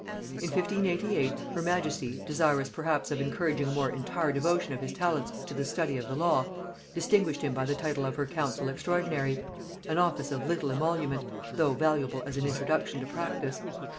In 1588 her majesty, desirous perhaps of encouraging a more entire devotion of his talents to the study of the law, distinguished him by the title of her Counsel extraordinary, an office of little emolument, though valuable as an introduction to practice.